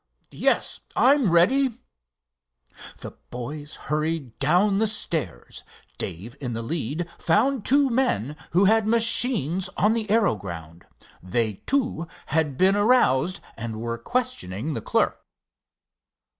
Yes, I'm ready." The boys hurried down the stairs. Dave, in the lead, found two men who had machines on the aero grounds. They, too, had been aroused and were questioning the clerk.